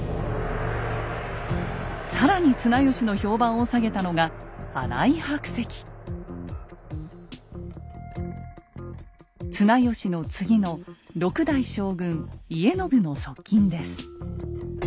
更に綱吉の評判を下げたのが綱吉の次の６代将軍家宣の側近です。